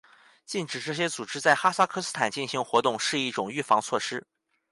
禁止这些组织在哈萨克斯坦进行活动是一种预防措施。